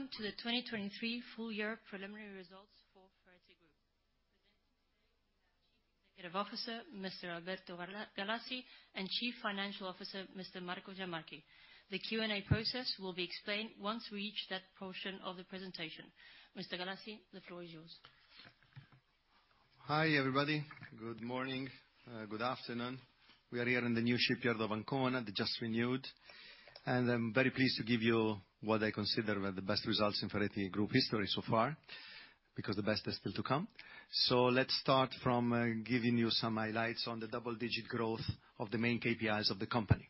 Welcome to the 2023 full year preliminary results for Ferretti Group. Present today, Chief Executive Officer, Mr. Alberto Galassi, and Chief Financial Officer, Mr. Marco Zammarchi. The Q&A process will be explained once we reach that portion of the presentation. Mr. Galassi, the floor is yours. Hi, everybody. Good morning, good afternoon. We are here in the new shipyard of Ancona, the just renewed, and I'm very pleased to give you what I consider were the best results in Ferretti Group history so far, because the best is still to come. So let's start from, giving you some highlights on the double-digit growth of the main KPIs of the company.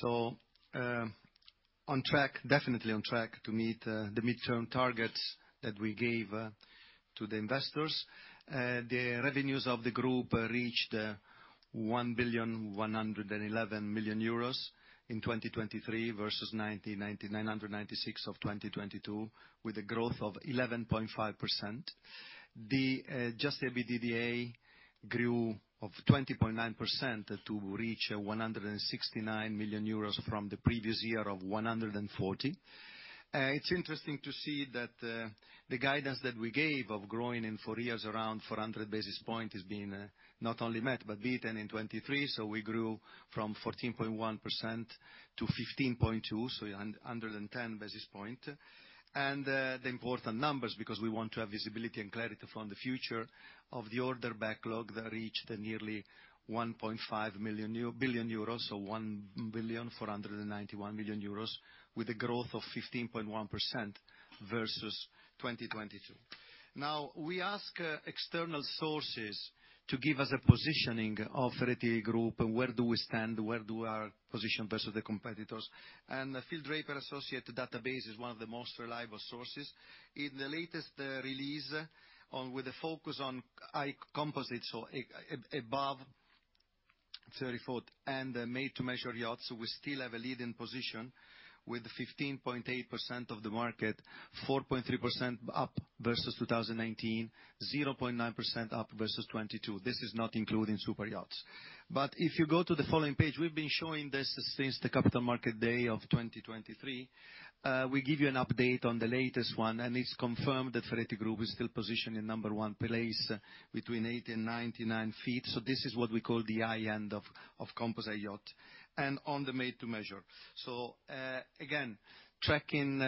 So, on track, definitely on track to meet, the midterm targets that we gave, to the investors. The revenues of the group reached 1.111 billion in 2023 versus 996 million of 2022, with a growth of 11.5%. The, adjusted EBITDA grew of 20.9% to reach 169 million euros from the previous year of 140 million. It's interesting to see that the guidance that we gave of growing in four years around 400 basis point is being not only met but beaten in 2023. So we grew from 14.1% to 15.2%, so 110 basis point. And the important numbers, because we want to have visibility and clarity from the future of the order backlog that reached nearly 1.5 billion euro, so 1.491 billion, with a growth of 15.1% versus 2022. Now, we ask external sources to give us a positioning of Ferretti Group, and where do we stand, where do our position versus the competitors. And the Global Order Book is one of the most reliable sources. In the latest release, with a focus on high composite, so above 34 and the made-to-measure yachts, we still have a leading position with 15.8% of the market, 4.3% up versus 2019, 0.9% up versus 2022. This is not including superyachts. But if you go to the following page, we've been showing this since the Capital Market Day of 2023. We give you an update on the latest one, and it's confirmed that Ferretti Group is still positioned in number one place between 80-99 ft. So this is what we call the high end of composite yacht and on the made to measure. So, again, tracking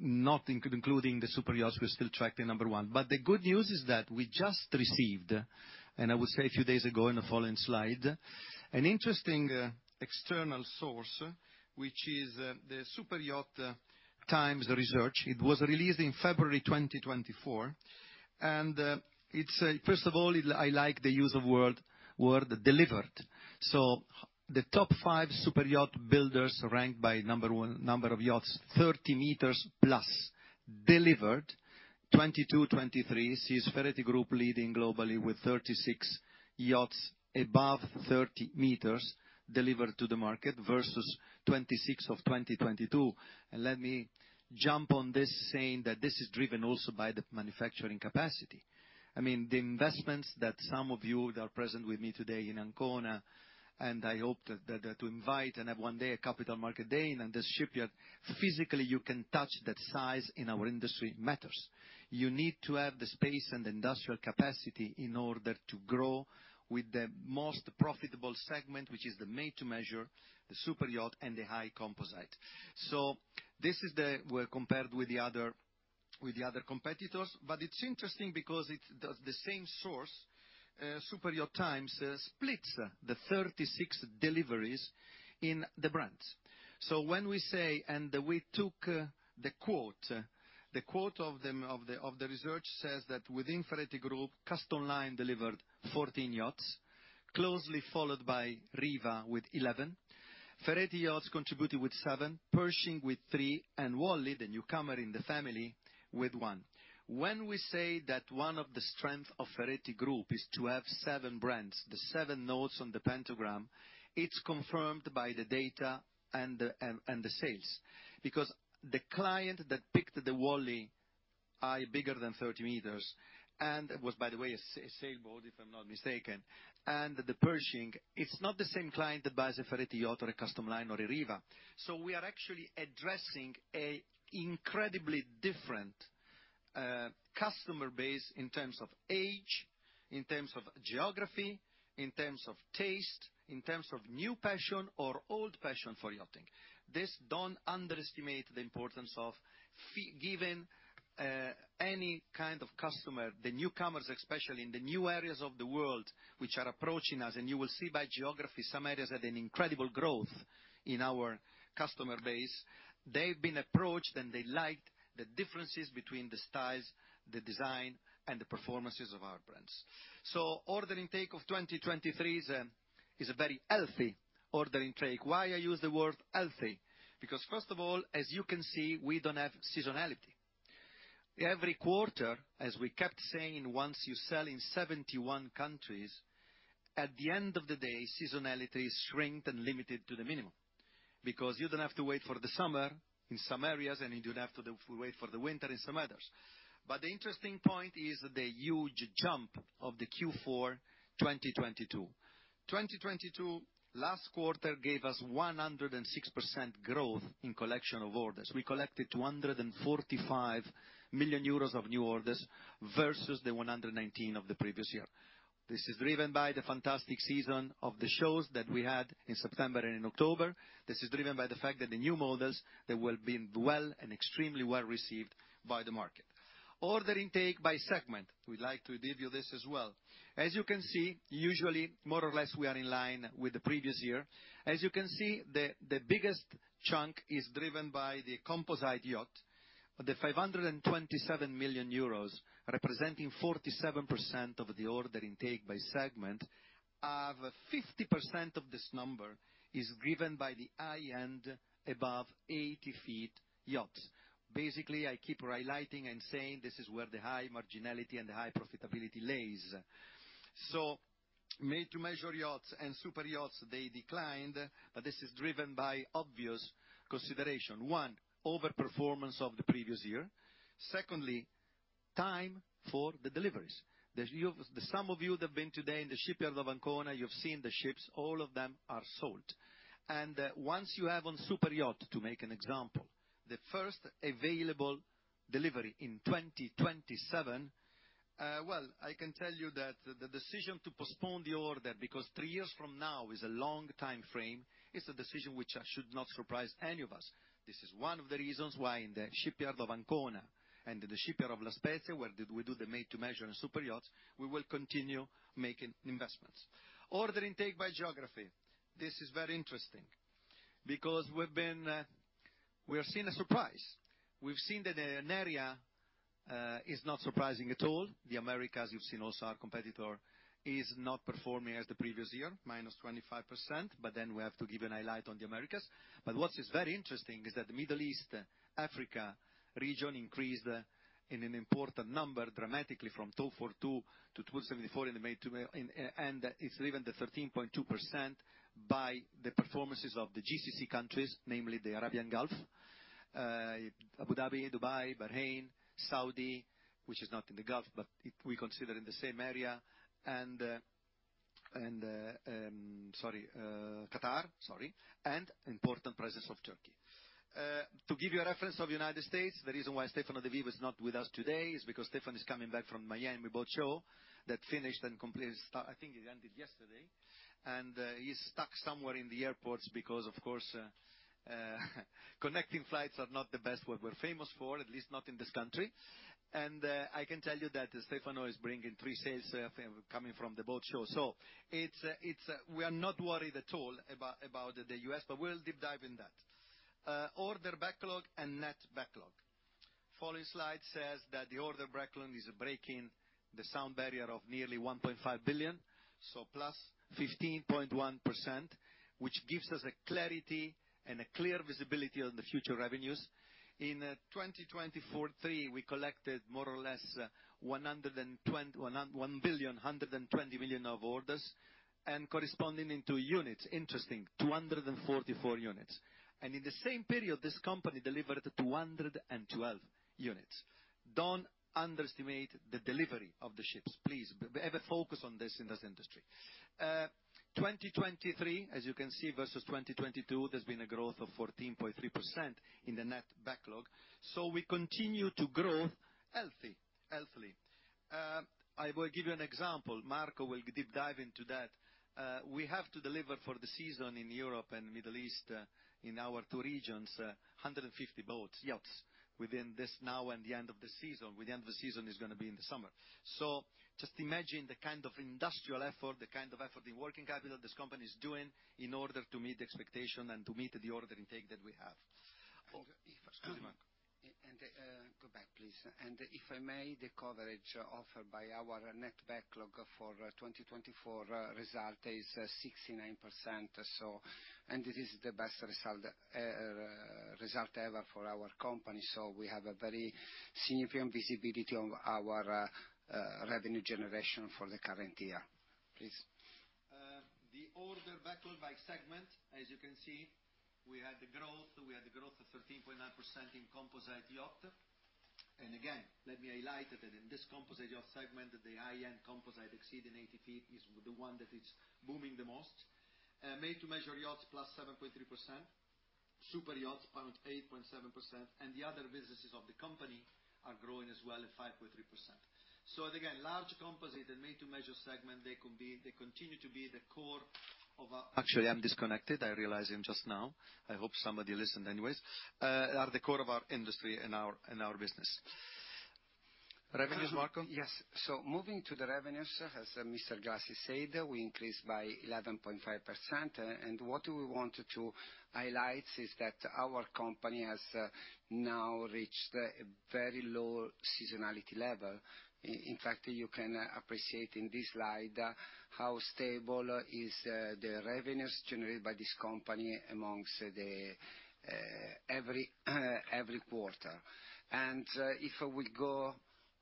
not including the superyachts, we're still tracking number one. But the good news is that we just received, and I would say a few days ago in the following slide, an interesting external source, which is the Superyacht Times research. It was released in February 2024, and it's... First of all, I like the use of word delivered. So the top five superyacht builders ranked by number of yachts, 30 m plus, delivered 2022, 2023, sees Ferretti Group leading globally with 36 yachts above 30 m delivered to the market versus 26 of 2022. And let me jump on this, saying that this is driven also by the manufacturing capacity. I mean, the investments that some of you that are present with me today in Ancona, and I hope to invite and have one day a Capital Market Day in this shipyard, physically, you can touch that size in our industry matters. You need to have the space and industrial capacity in order to grow with the most profitable segment, which is the made-to-measure, the superyacht and the high composite. So this is the, we're compared with the other competitors, but it's interesting because it's the same source, Superyacht Times, splits the 36 deliveries in the brands. So when we say, and we took the quote, the quote of them, of the, of the research says that within Ferretti Group, Custom Line delivered 14 yachts, closely followed by Riva with 11, Ferretti Yachts contributed with seven, Pershing with three, and Wally, the newcomer in the family, with one. When we say that one of the strength of Ferretti Group is to have seven brands, the seven notes on the pentagram, it's confirmed by the data and the, and, and the sales. Because the client that picked the Wally, bigger than 30 m, and was, by the way, a sailboat, if I'm not mistaken, and the Pershing, it's not the same client that buys a Ferretti Yacht or a Custom Line or a Riva. So we are actually addressing an incredibly different customer base in terms of age, in terms of geography, in terms of taste, in terms of new passion or old passion for yachting. This, don't underestimate the importance of giving any kind of customer, the newcomers, especially in the new areas of the world, which are approaching us, and you will see by geography, some areas had an incredible growth in our customer base. They've been approached, and they liked the differences between the styles, the design, and the performances of our brands. So ordering intake of 2023 is a very healthy ordering intake. Why I use the word healthy? Because first of all, as you can see, we don't have seasonality. Every quarter, as we kept saying, once you sell in 71 countries, at the end of the day, seasonality is shrinked and limited to the minimum because you don't have to wait for the summer in some areas, and you don't have to wait for the winter in some others. But the interesting point is the huge jump of the Q4 2022. 2022 last quarter gave us 106% growth in collection of orders. We collected 245 million euros of new orders, versus the 119 million of the previous year. This is driven by the fantastic season of the shows that we had in September and in October. This is driven by the fact that the new models, they were being well and extremely well received by the market. Order intake by segment, we'd like to give you this as well. As you can see, usually, more or less, we are in line with the previous year. As you can see, the biggest chunk is driven by the composite yacht, the 527 million euros, representing 47% of the order intake by segment. Of 50% of this number is given by the high end, above 80 ft yachts. Basically, I keep highlighting and saying, this is where the high marginality and the high profitability lays. So made to measure yachts and superyachts, they declined, but this is driven by obvious consideration. One, overperformance of the previous year. Secondly, time for the deliveries. The some of you that have been today in the shipyard of Ancona, you've seen the ships, all of them are sold. And, once you have on superyacht, to make an example, the first available delivery in 2027, well, I can tell you that the decision to postpone the order, because three years from now is a long time frame, is a decision which should not surprise any of us. This is one of the reasons why in the shipyard of Ancona and in the shipyard of La Spezia, where we do the made-to-measure and superyachts, we will continue making investments. Order intake by geography. This is very interesting because we've been, we are seeing a surprise. We've seen that an area, is not surprising at all. The Americas, you've seen also our competitor, is not performing as the previous year, -25%, but then we have to give a highlight on the Americas. But what is very interesting is that the Middle East, Africa region increased in an important number dramatically from 242 to 274 in the made-to-measure, and it's driven the 13.2% by the performances of the GCC countries, namely the Arabian Gulf, Abu Dhabi, Dubai, Bahrain, Saudi, which is not in the Gulf, but we consider in the same area, and Qatar, and important presence of Turkey. To give you a reference of United States, the reason why Stefano de Vivo is not with us today is because Stefano is coming back from Miami Boat Show that finished and completed—I think it ended yesterday. He's stuck somewhere in the airports because, of course, connecting flights are not the best what we're famous for, at least not in this country. I can tell you that Stefano is bringing three sales coming from the boat show. So it's we are not worried at all about the U.S., but we'll deep dive in that. Order backlog and net backlog. Following slide says that the order backlog is breaking the sound barrier of nearly 1.5 billion, so +15.1%, which gives us a clarity and a clear visibility on the future revenues. In 2023, we collected more or less 1.12 billion of orders, and corresponding into units, interesting, 244 units. In the same period, this company delivered 212 units. Don't underestimate the delivery of the ships. Please, have a focus on this in this industry. 2023, as you can see, versus 2022, there's been a growth of 14.3% in the net backlog, so we continue to grow healthy, healthily. I will give you an example. Marco will deep dive into that. We have to deliver for the season in Europe and Middle East, in our two regions, 150 boats, yachts, within this now and the end of the season. With the end of the season is going to be in the summer. So just imagine the kind of industrial effort, the kind of effort, the working capital this company is doing in order to meet expectation and to meet the order intake that we have. Excuse me. Sorry, Marco. Go back, please. If I may, the coverage offered by our net backlog for 2024 result is 69%, so... It is the best result ever for our company. We have a very significant visibility on our revenue generation for the current year. Please. The order backlog by segment, as you can see, we had the growth, we had the growth of 13.9% in composite yacht. And again, let me highlight it, that in this composite yacht segment, that the high-end composite exceeding 80 ft is the one that is booming the most. Made-to-measure yachts, plus 7.3%. superyachts, 0.8%. And the other businesses of the company are growing as well at 5.3%. So again, large composite and made-to-measure segment, they can be -- they continue to be the core of our- Actually, I'm disconnected. I realize it just now. I hope somebody listened anyways. are the core of our industry and our business. Revenues, Marco? Yes. So moving to the revenues, as Mr. Galassi said, we increased by 11.5%. And what we want to highlight is that our company has now reached a very low seasonality level. In fact, you can appreciate in this slide how stable is the revenues generated by this company among every quarter. And if we go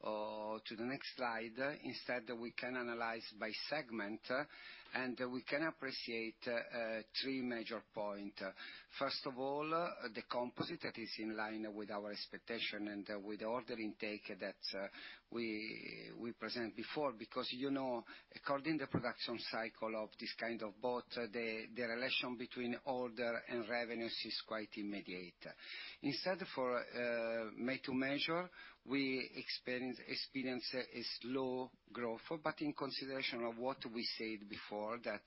to the next slide, instead, we can analyze by segment, and we can appreciate three major point. First of all, the composite that is in line with our expectation and with order intake that we present before. Because, you know, according to the production cycle of this kind of boat, the relation between order and revenues is quite immediate. Instead, for made-to-measure, we experience a slow growth, but in consideration of what we said before, that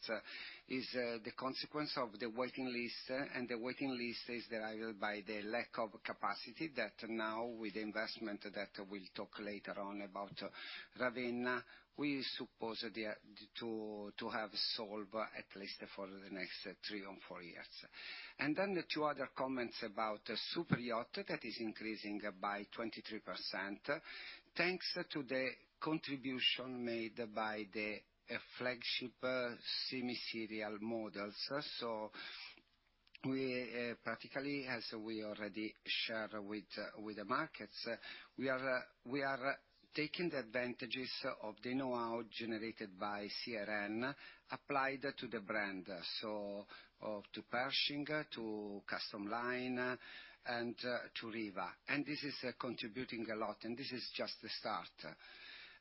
is the consequence of the waiting list, and the waiting list is derived by the lack of capacity that now, with investment that we'll talk later on about Ravenna, we suppose to have solved at least for the next three or four years. And then the two other comments about the superyacht, that is increasing by 23%, thanks to the contribution made by the flagship semi-serial models. So we practically, as we already shared with the markets, we are taking the advantages of the know-how generated by CRN applied to the brand, so to Pershing, to Custom Line, and to Riva, and this is contributing a lot, and this is just the start.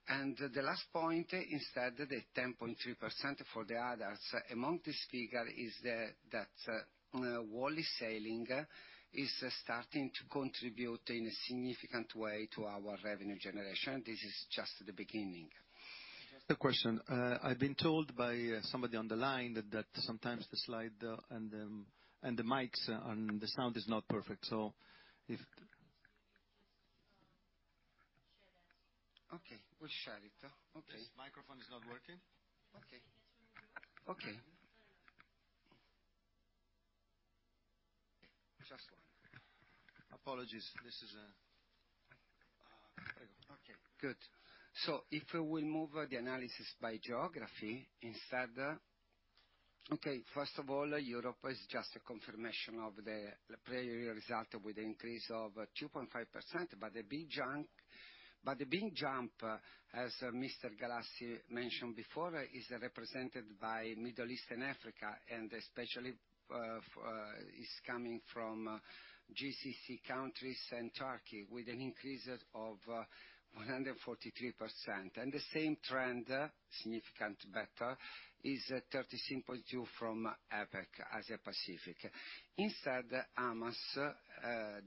The last point, instead, the 10.2% for the others. Among this figure is that Wally sailing is starting to contribute in a significant way to our revenue generation. This is just the beginning. Just a question. I've been told by somebody on the line that, that sometimes the slide, and the, and the mics, and the sound is not perfect. So if- Okay, we'll share it. Okay. This microphone is not working? Okay. Okay. Just one. Apologies, this is, okay, good. So if we move the analysis by geography instead. Okay, first of all, Europe is just a confirmation of the prior year result with an increase of 2.5%, but the big jump, but the big jump, as Mr. Galassi mentioned before, is represented by Middle East and Africa, and especially, is coming from GCC countries and Turkey, with an increase of 143%. And the same trend, significant better, is 37.2% from APAC, Asia-Pacific. Instead, AMAS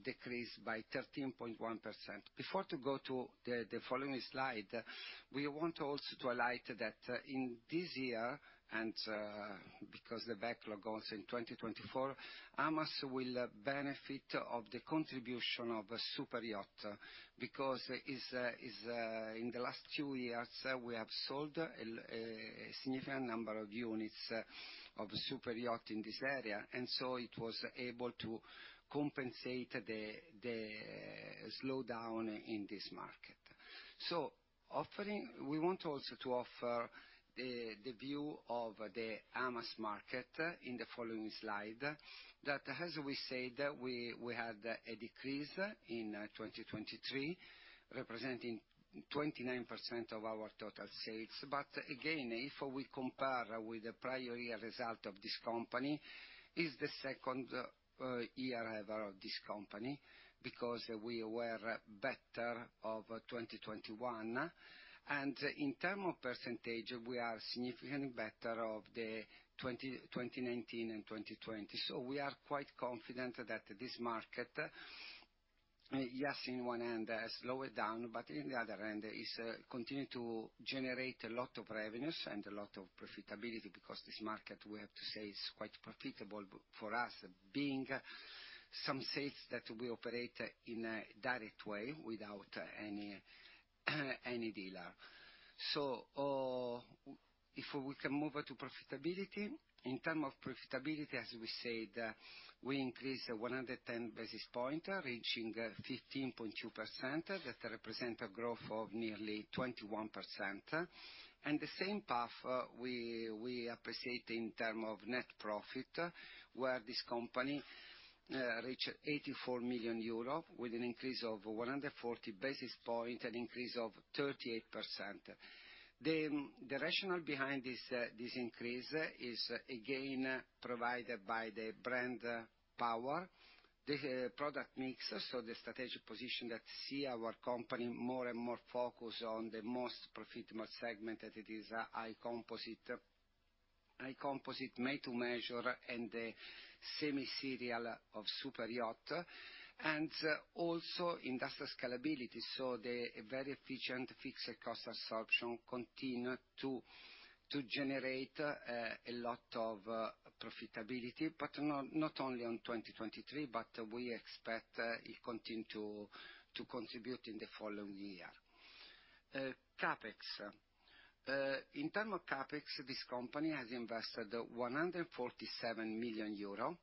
decreased by 13.1%. Before going to the following slide, we want also to highlight that, in this year, and, because the backlog goes in 2024, AMAS will benefit of the contribution of superyacht, because is, in the last two years, we have sold a significant number of units of superyacht in this area, and so it was able to compensate the slowdown in this market. So offering—we want also to offer the view of the AMAS market in the following slide, that, as we said, we had a decrease in 2023, representing 29% of our total sales. But again, if we compare with the prior year result of this company, is the second year ever of this company, because we were better of 2021. In terms of percentage, we are significantly better off than the 2019 and 2020. So we are quite confident that this market, yes, on one hand has lowered down, but on the other hand, continues to generate a lot of revenues and a lot of profitability, because this market, we have to say, is quite profitable for us, being some sales that we operate in a direct way without any dealer. So, if we can move to profitability. In terms of profitability, as we said, we increased 110 basis points, reaching 15.2%, that represents a growth of nearly 21%. And the same path, we appreciate in term of net profit, where this company reached 84 million euro with an increase of 140 basis points, an increase of 38%. The rationale behind this increase is again provided by the brand power, the product mix, so the strategic position that see our company more and more focused on the most profitable segment, that it is high composite, high composite made to measure, and the semi-serial of superyacht, and also industrial scalability, so the very efficient fixed cost absorption continue to generate a lot of profitability, but not only on 2023, but we expect it continue to contribute in the following year. CapEx. In terms of CapEx, this company has invested 147 million euro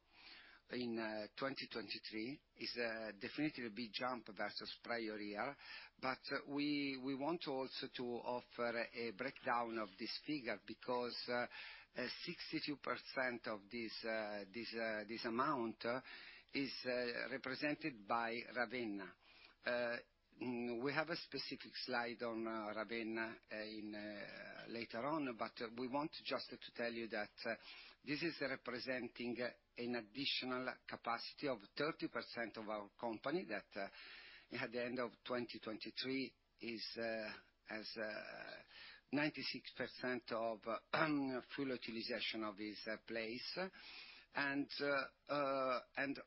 in 2023. It's definitely a big jump versus prior year, but we want also to offer a breakdown of this figure, because 62% of this amount is represented by Ravenna. We have a specific slide on Ravenna later on, but we want just to tell you that this is representing an additional capacity of 30% of our company, that at the end of 2023 is has 96% full utilization of this place.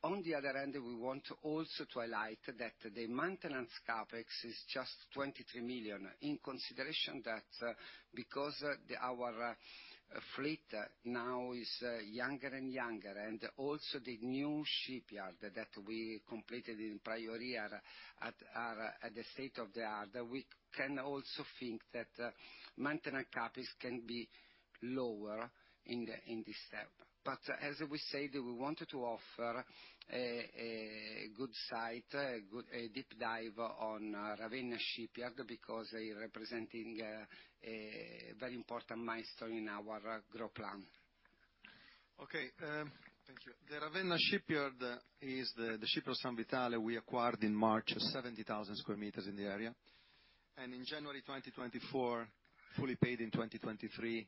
On the other end, we want also to highlight that the maintenance CapEx is just 23 million, in consideration that, because, our fleet now is younger and younger, and also the new shipyard that we completed in prior year, at the state of the art, we can also think that maintenance CapEx can be lower in this step. But as we said, we wanted to offer a good sight, a good a deep dive on Ravenna Shipyard, because they're representing a very important milestone in our growth plan. Okay, thank you. The Ravenna Shipyard is the shipyard San Vitale we acquired in March, 70,000 sq m in the area. And in January 2024, fully paid in 2023,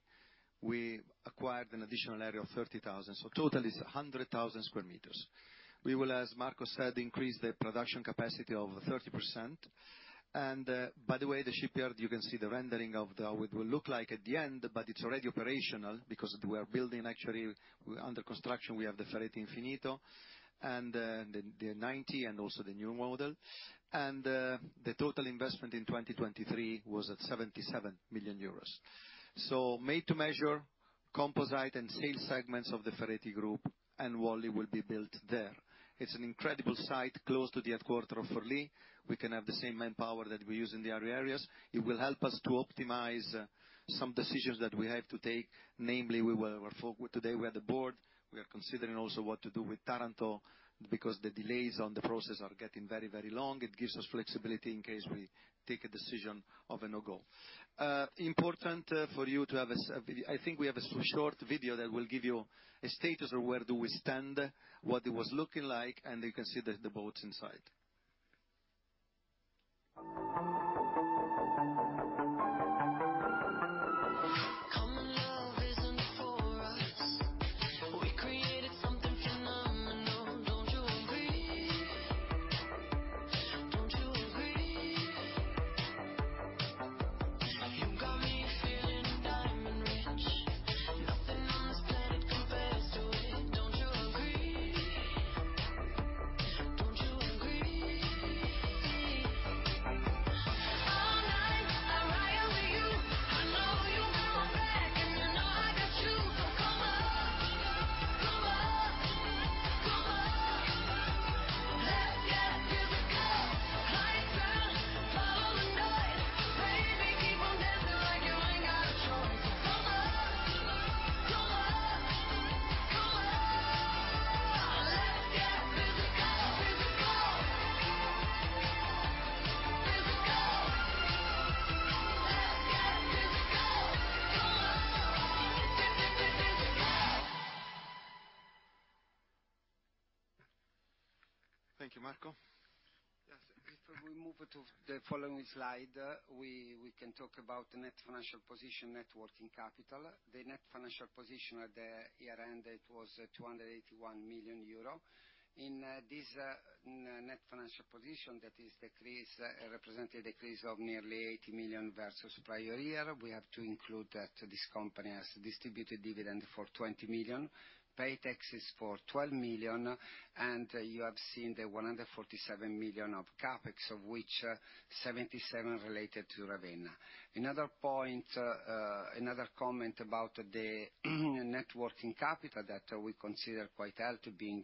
we acquired an additional area of 30,000. So total is 100,000 sq m. We will, as Marco said, increase the production capacity of 30%. And by the way, the shipyard, you can see the rendering of the how it will look like at the end, but it's already operational, because we are building actually, under construction, we have the Ferretti Infynito 90, and also the new model. And the total investment in 2023 was 77 million euros. So made-to-measure, composite, and sail segments of the Ferretti Group and Wally will be built there. It's an incredible site close to the headquarters of Forlì. We can have the same manpower that we use in the other areas. It will help us to optimize some decisions that we have to take. Namely, we will today, we had the board, we are considering also what to do with Taranto, because the delays on the process are getting very, very long. It gives us flexibility in case we take a decision of a no-go. Important, for you to have a short video that will give you a status of where do we stand, what it was looking like, and you can see the boats inside. Thank you, Marco. Yes. If we move to the following slide, we can talk about the net financial position, net working capital. The net financial position at the year-end, it was 281 million euro. In, this, net financial position, that is decrease, represented a decrease of nearly 80 million versus prior year. We have to include that this company has distributed dividend for 20 million, paid taxes for 12 million, and you have seen the 147 million of CapEx, of which 77 related to Ravenna. Another point, another comment about the net working capital that we consider quite healthy, being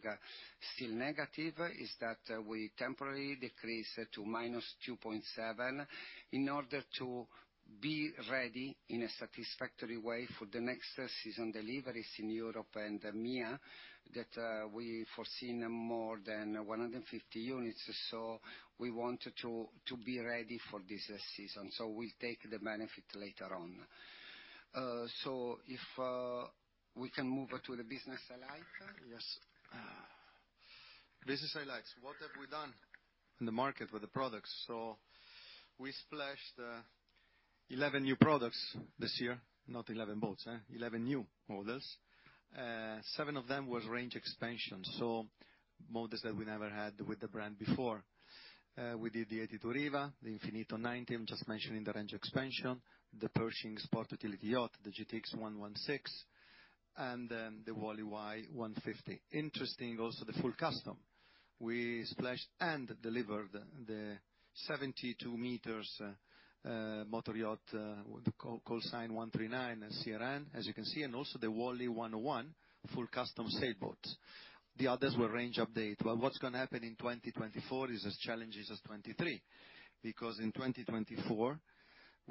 still negative, is that we temporarily decrease it to -2.7 in order to be ready in a satisfactory way for the next season deliveries in Europe and EMEA, that we foreseen more than 150 units. So we wanted to be ready for this season, so we take the benefit later on. So if we can move to the business highlights? Yes. Business highlights. What have we done in the market with the products? So we splashed 11 new products this year, not 11 boats, 11 new models. Seven of them was range expansion, so models that we never had with the brand before. We did the 82 Riva, the Infynito 90, I'm just mentioning the range expansion, the Pershing Sport Utility Yacht, the GTX116, and then the wallywhy150. Interesting also, the full custom. We splashed and delivered the 72-m motor yacht with the call sign 139 CRN, as you can see, and also the Wally 101, full custom sailboat. The others were range update. Well, what's going to happen in 2024 is as challenging as 2023. Because in 2024,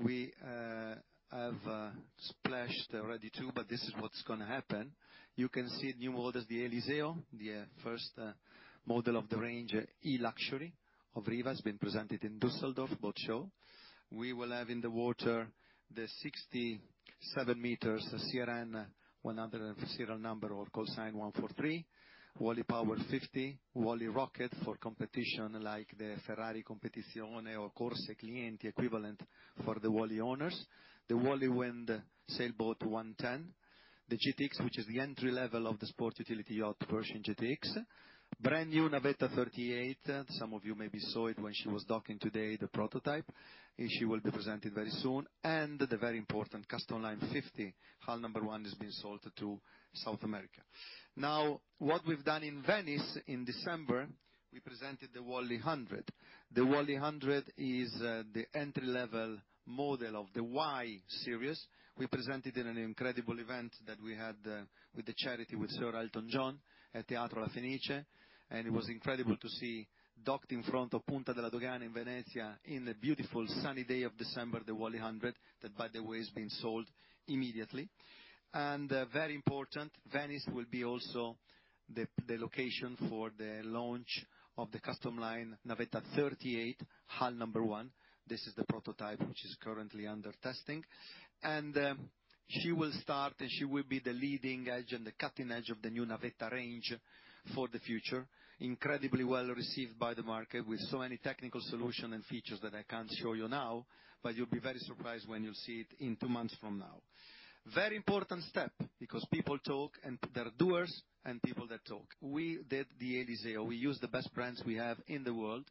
we have splashed already two, but this is what's gonna happen. You can see new models, the El-Iseo, the first model of the range, E-Luxury of Riva, has been presented in Düsseldorf Boat Show. We will have in the water the 67 m, the CRN 143, wallypower50, wallyrocket51 for competition like the Ferrari Competizione or Corse Clienti equivalent for the Wally owners. The wallywind110 sailboat, the GTX, which is the entry level of the sport utility yacht, Pershing GTX. Brand-new Navetta 38, some of you maybe saw it when she was docking today, the prototype. She will be presented very soon, and the very important Custom Line 50, hull number one has been sold to South America. Now, what we've done in Venice in December, we presented the wally100. The wally100 is, the entry-level model of the why series. We presented in an incredible event that we had, with the charity with Sir Elton John at Teatro La Fenice, and it was incredible to see docked in front of Punta della Dogana in Venezia, in the beautiful sunny day of December, the wally100, that, by the way, has been sold immediately. And, very important, Venice will be also the, the location for the launch of the Custom Line Navetta 38, hull number 1. This is the prototype, which is currently under testing. And, she will start, and she will be the leading edge and the cutting edge of the new Navetta range for the future. Incredibly well received by the market, with so many technical solutions and features that I can't show you now, but you'll be very surprised when you'll see it in two months from now. Very important step, because people talk, and there are doers and people that talk. We did the El-Iseo. We used the best brands we have in the world,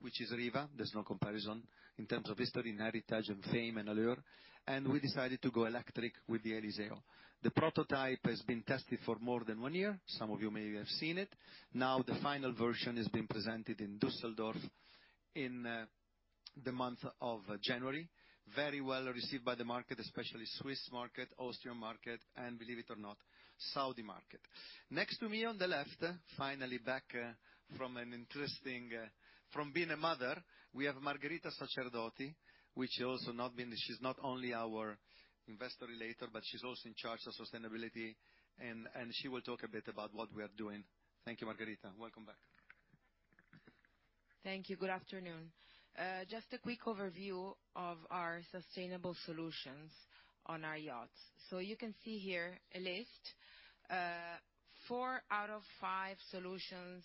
which is Riva. There's no comparison in terms of history and heritage and fame and allure, and we decided to go electric with the El-Iseo. The prototype has been tested for more than one year. Some of you may have seen it. Now, the final version is being presented in Düsseldorf, in the month of January. Very well received by the market, especially Swiss market, Austrian market, and believe it or not, Saudi market. Next to me on the left, finally, back from an interesting from being a mother, we have Margherita Sacerdoti. She's not only our Investor Relations, but she's also in charge of sustainability, and she will talk a bit about what we are doing. Thank you, Margherita. Welcome back. Thank you. Good afternoon. Just a quick overview of our sustainable solutions on our yachts. So you can see here a list. Four out of five solutions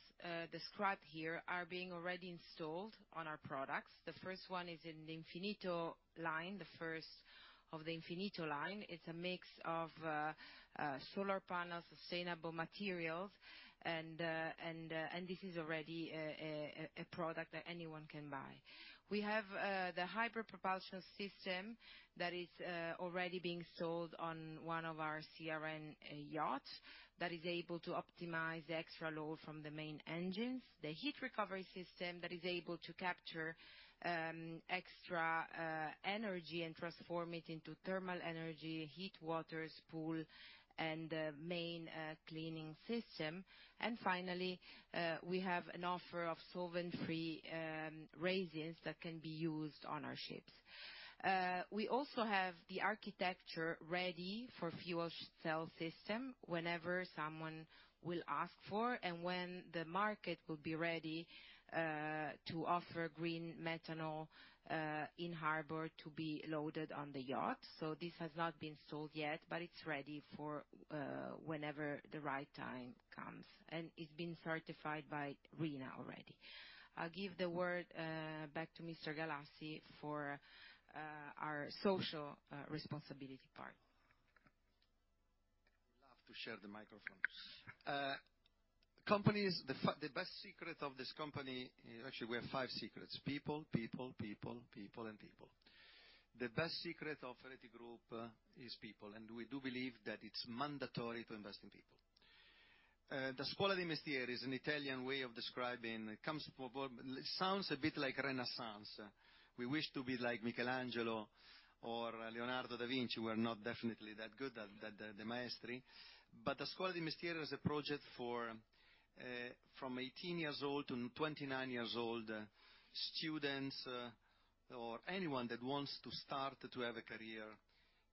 described here are being already installed on our products. The first one is in the Infynito line, the first of the Infynito line. It's a mix of solar panels, sustainable materials, and this is already a product that anyone can buy. We have the hyper propulsion system that is already being sold on one of our CRN yachts that is able to optimize the extra load from the main engines, the heat recovery system that is able to capture extra energy and transform it into thermal energy, heat waters, pool, and main cleaning system. And finally, we have an offer of solvent-free resins that can be used on our ships. We also have the architecture ready for fuel cell system whenever someone will ask for and when the market will be ready to offer green methanol in harbor to be loaded on the yacht. So this has not been sold yet, but it's ready for whenever the right time comes, and it's been certified by RINA already. I'll give the word back to Mr. Galassi for our social responsibility part. I would love to share the microphone. Companies, the best secret of this company... Actually, we have five secrets: people, people, people, people, and people. The best secret of Ferretti Group is people, and we do believe that it's mandatory to invest in people. The Scuola dei Mestieri is an Italian way of describing, it comes from, well, sounds a bit like renaissance. We wish to be like Michelangelo or Leonardo da Vinci. We're not definitely that good as the maestri, but the Scuola dei Mestieri is a project for, from 18 years old to 29 years old, students, or anyone that wants to start to have a career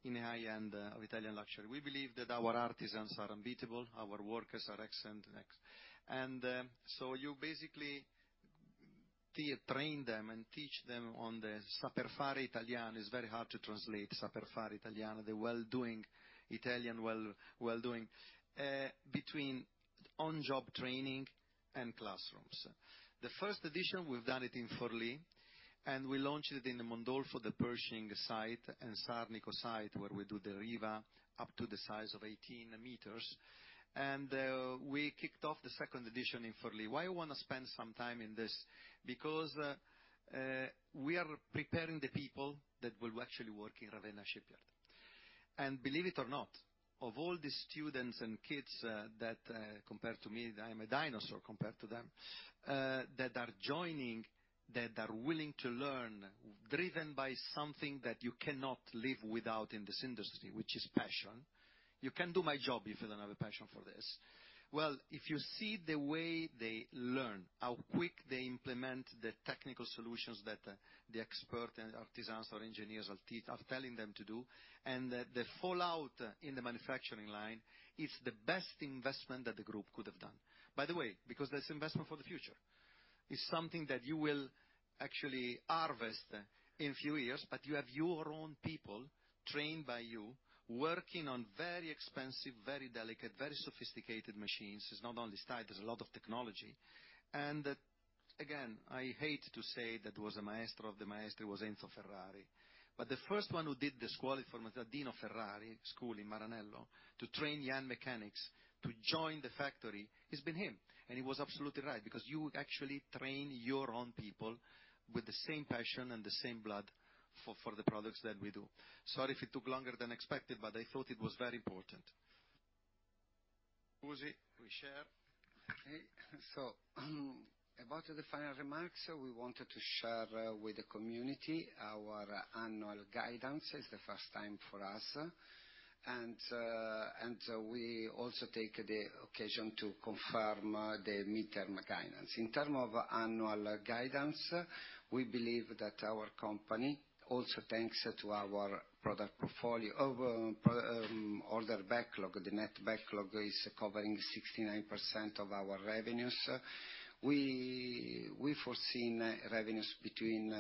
in high-end of Italian luxury. We believe that our artisans are unbeatable, our workers are excellent, and so you basically train them and teach them on the Saper fare Italiano. It's very hard to translate Saper fare Italiano, the well doing, Italian well, well doing, between on-job training and classrooms. The first edition, we've done it in Forlì, and we launched it in the Mondolfo, the Pershing site and Sarnico site, where we do the Riva, up to the size of 18 m. We kicked off the second edition in Forlì. Why I want to spend some time in this? Because we are preparing the people that will actually work in Ravenna shipyard. And believe it or not, of all the students and kids that compared to me, I am a dinosaur compared to them that are joining, that are willing to learn driven by something that you cannot live without in this industry, which is passion. You can't do my job if you don't have a passion for this. Well, if you see the way they learn, how quick they implement the technical solutions that the, the expert and artisans or engineers or tech are telling them to do, and the, the fallout in the manufacturing line, it's the best investment that the group could have done. By the way, because that's investment for the future. It's something that you will actually harvest in few years, but you have your own people, trained by you, working on very expensive, very delicate, very sophisticated machines. It's not only style, there's a lot of technology. And, again, I hate to say that was a maestro of the maestro was Enzo Ferrari, but the first one who did the school for Dino Ferrari, school in Maranello, to train young mechanics to join the factory, it's been him. He was absolutely right, because you actually train your own people with the same passion and the same blood for the products that we do. Sorry if it took longer than expected, but I thought it was very important. About the final remarks, we wanted to share with the community our annual guidance. It's the first time for us, and we also take the occasion to confirm the mid-term guidance. In terms of annual guidance, we believe that our company, also thanks to our product portfolio, order backlog, the net backlog is covering 69% of our revenues. We foresee revenues between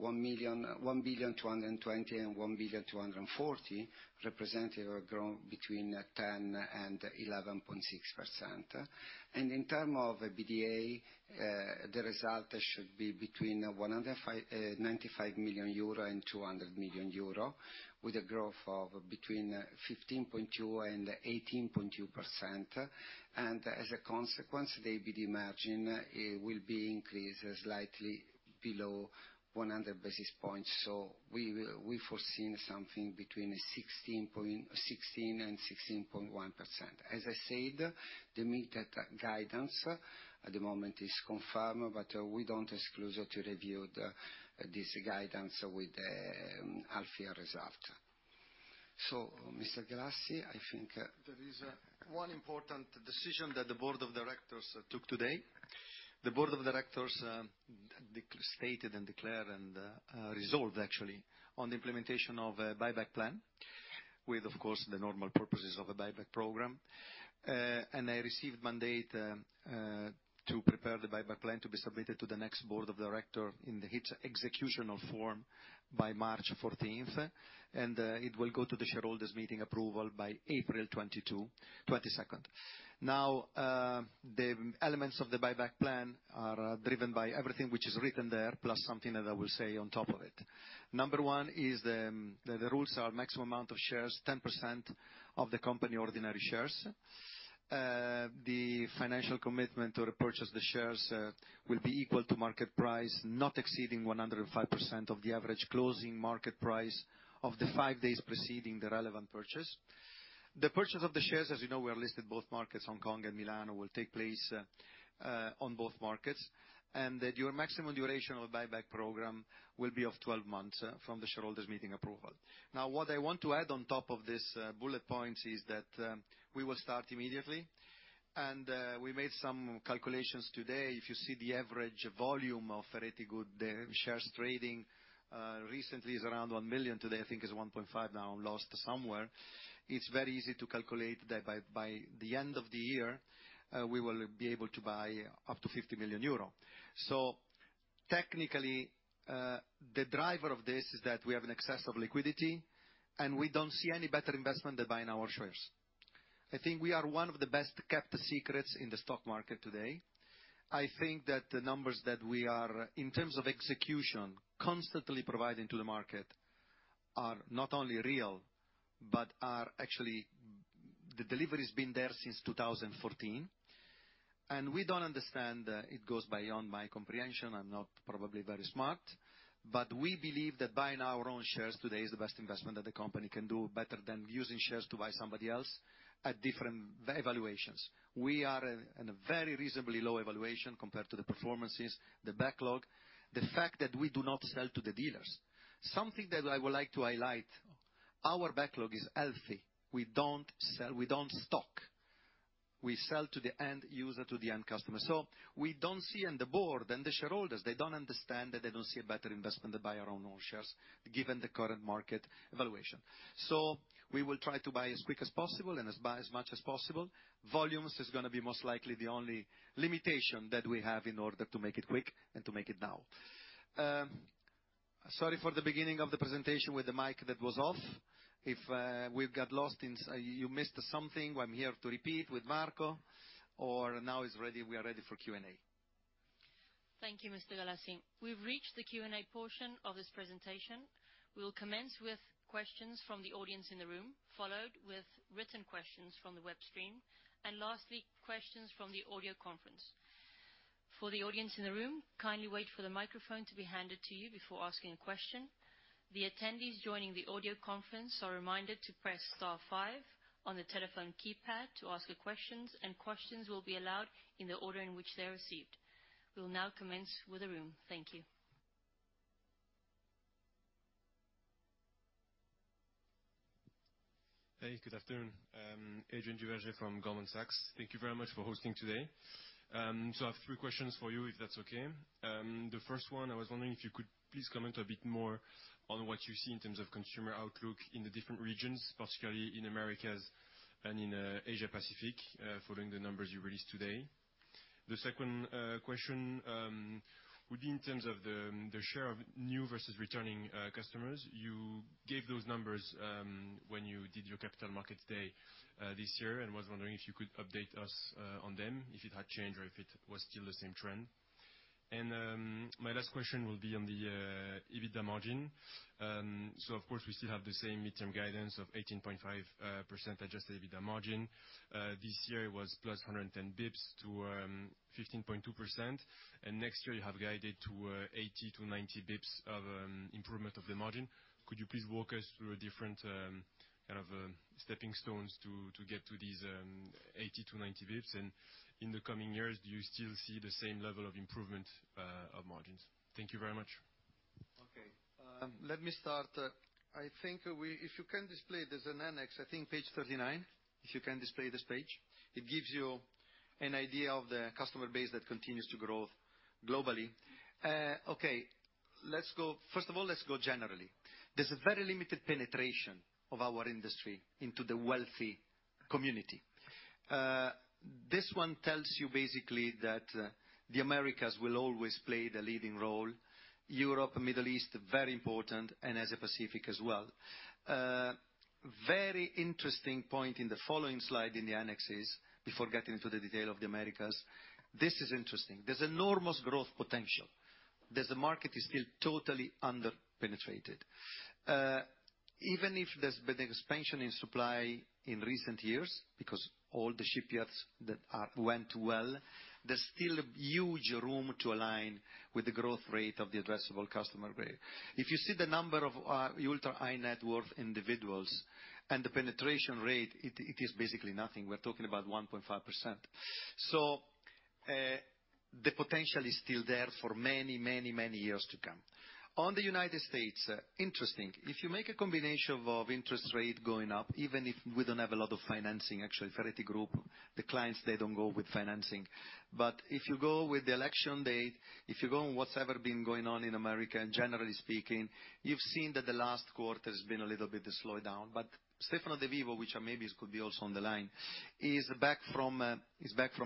1.22 billion and 1.24 billion, representative of growth between 10% and 11.6%. And in terms of EBITDA, the result should be between 95 million euro and 105 million euro, with a growth of between 15.2% and 18.2%. And as a consequence, the EBITDA margin will be increased slightly below 100 basis points. So we will foresee something between 16% and 16.1%. As I said, the mid-term guidance at the moment is confirmed, but we don't exclude reviewing this guidance with half year result. So Mr. Galassi, I think- There is one important decision that the board of directors took today. The board of directors declared and resolved, actually, on the implementation of a buyback plan, with, of course, the normal purposes of a buyback program. And I received mandate to prepare the buyback plan to be submitted to the next board of directors in its executional form by March 14th, and it will go to the shareholders' meeting approval by April 22nd, 2022. Now, the elements of the buyback plan are driven by everything which is written there, plus something that I will say on top of it. Number one is the rules are maximum amount of shares, 10% of the company ordinary shares. The financial commitment to repurchase the shares will be equal to market price, not exceeding 105% of the average closing market price of the 5 days preceding the relevant purchase. The purchase of the shares, as you know, we are listed both markets, Hong Kong and Milan, will take place on both markets. The maximum duration of the buyback program will be of 12 months from the shareholders' meeting approval. Now, what I want to add on top of this bullet points is that we will start immediately, and we made some calculations today. If you see the average volume of Ferretti Group, the shares trading recently is around 1 million. Today, I think it's 1.5 million now, lost somewhere. It's very easy to calculate that by the end of the year, we will be able to buy up to 50 million euro. So technically, the driver of this is that we have an excess of liquidity, and we don't see any better investment than buying our shares. I think we are one of the best-kept secrets in the stock market today. I think that the numbers that we are, in terms of execution, constantly providing to the market, are not only real, but are actually... The delivery has been there since 2014, and we don't understand, it goes beyond my comprehension, I'm not probably very smart, but we believe that buying our own shares today is the best investment that the company can do, better than using shares to buy somebody else at different valuations. We are at a very reasonably low valuation compared to the performances, the backlog, the fact that we do not sell to the dealers. Something that I would like to highlight, our backlog is healthy. We don't sell, we don't stock. We sell to the end user, to the end customer. So we don't see, and the board, and the shareholders, they don't understand that they don't see a better investment to buy our own shares, given the current market valuation. So we will try to buy as quick as possible and buy as much as possible. Volumes is going to be most likely the only limitation that we have in order to make it quick and to make it now. Sorry for the beginning of the presentation with the mic that was off. If we've got lost in, you missed something, I'm here to repeat with Marco, or now is ready, we are ready for Q&A. Thank you, Mr. Galassi. We've reached the Q&A portion of this presentation. We will commence with questions from the audience in the room, followed with written questions from the web stream, and lastly, questions from the audio conference. For the audience in the room, kindly wait for the microphone to be handed to you before asking a question... The attendees joining the audio conference are reminded to press star five on the telephone keypad to ask questions, and questions will be allowed in the order in which they are received. We'll now commence with the room. Thank you. Hey, good afternoon. Adrien de Saint Hilaire from Bank of America Securities. Thank you very much for hosting today. So I have three questions for you, if that's okay. The first one, I was wondering if you could please comment a bit more on what you see in terms of consumer outlook in the different regions, particularly in Americas and in Asia-Pacific, following the numbers you released today. The second question would be in terms of the share of new versus returning customers. You gave those numbers when you did your Capital Market Day this year, and was wondering if you could update us on them, if it had changed or if it was still the same trend. And my last question will be on the EBITDA margin. So of course, we still have the same midterm guidance of 18.5% adjusted EBITDA margin. This year it was plus 110 basis points to 15.2%, and next year you have guided to 80-90 basis points of improvement of the margin. Could you please walk us through a different kind of stepping stones to get to these 80-90 basis points? And in the coming years, do you still see the same level of improvement of margins? Thank you very much. Okay, let me start. I think we if you can display, there's an annex, I think page 39. If you can display this page, it gives you an idea of the customer base that continues to grow globally. Okay, let's go. First of all, let's go generally. There's a very limited penetration of our industry into the wealthy community. This one tells you basically that, the Americas will always play the leading role. Europe and Middle East, very important, and Asia-Pacific as well. Very interesting point in the following slide in the annexes, before getting into the detail of the Americas, this is interesting. There's enormous growth potential. There's a market that is still totally under-penetrated. Even if there's been an expansion in supply in recent years, because all the shipyards that are, went well, there's still a huge room to align with the growth rate of the addressable customer base. If you see the number of ultra-high-net-worth individuals and the penetration rate, it is basically nothing. We're talking about 1.5%. So, the potential is still there for many, many, many years to come. On the United States, interesting, if you make a combination of interest rate going up, even if we don't have a lot of financing, actually, Ferretti Group, the clients, they don't go with financing. But if you go with the election date, if you go on what's ever been going on in America, and generally speaking, you've seen that the last quarter has been a little bit of a slowdown. But Stefano de Vivo, which maybe could be also on the line, is back from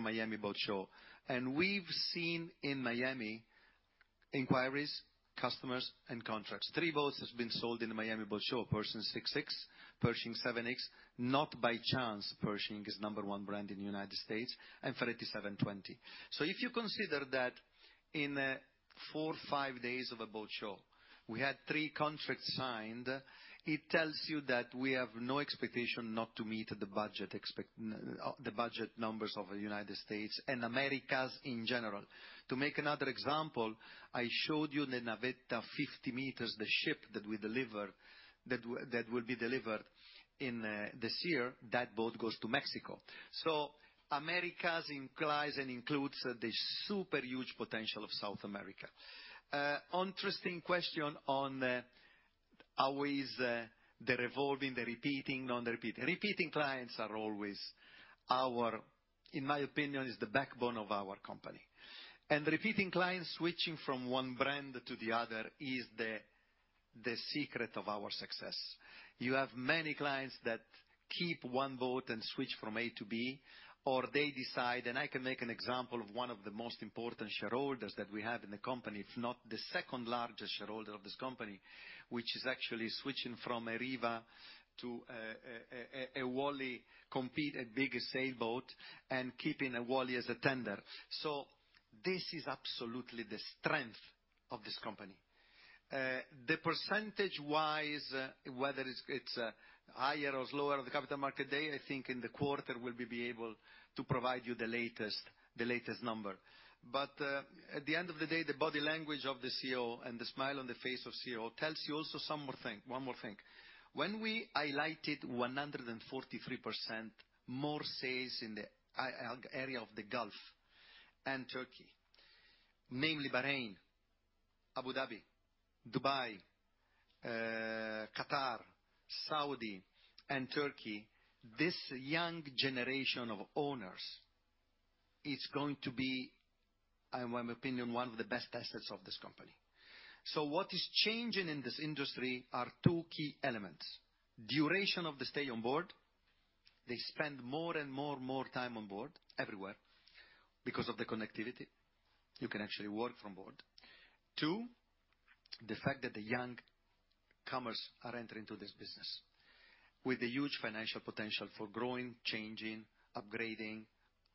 Miami Boat Show. And we've seen in Miami, inquiries, customers, and contracts. Three boats has been sold in the Miami Boat Show, Pershing 6X, Pershing 7X, not by chance, Pershing is number one brand in the United States, and Ferretti 720. So if you consider that in four, five days of a boat show, we had three contracts signed, it tells you that we have no expectation not to meet the budget numbers of the United States and Americas in general. To make another example, I showed you the Navetta 50 m, the ship that we deliver, that will be delivered in this year. That boat goes to Mexico. So Americas inclines and includes the super huge potential of South America. Interesting question on how is the revolving, the repeating, non-repeating. Repeating clients are always our, in my opinion, is the backbone of our company. And repeating clients switching from one brand to the other is the, the secret of our success. You have many clients that keep one boat and switch from A to B, or they decide, and I can make an example of one of the most important shareholders that we have in the company, if not the second largest shareholder of this company, which is actually switching from a Riva to a, a, a, a, a Wally compete, a bigger sailboat, and keeping a Wally as a tender. So this is absolutely the strength of this company. The percentage-wise, whether it's higher or lower on the Capital Market Day, I think in the quarter we'll be able to provide you the latest number. But at the end of the day, the body language of the CEO and the smile on the face of CEO tells you also some more thing, one more thing. When we highlighted 143% more sales in the area of the Gulf and Turkey, namely Bahrain, Abu Dhabi, Dubai, Qatar, Saudi Arabia, and Turkey, this young generation of owners is going to be, in my opinion, one of the best assets of this company. So what is changing in this industry are two key elements: Duration of the stay on board. They spend more and more and more time on board, everywhere, because of the connectivity. You can actually work from abroad too, the fact that the young comers are entering into this business with a huge financial potential for growing, changing, upgrading,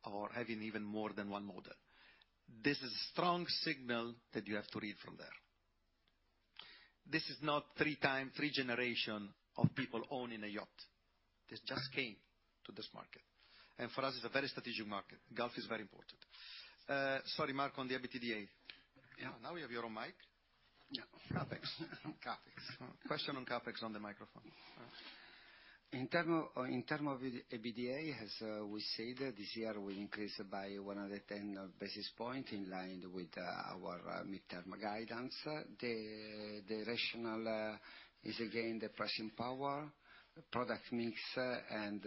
or having even more than one model. This is a strong signal that you have to read from there. This is not third time, third generation of people owning a yacht. They just came to this market, and for us, it's a very strategic market. The Gulf is very important. Sorry, Marco, on the EBITDA. Yeah, now we have your own mic. Yeah, CapEx. CapEx. Question on CapEx on the microphone. In terms of, in terms of EBITDA, as we said, this year will increase by 110 basis points, in line with our mid-term guidance. The rationale is again the pricing power, product mix, and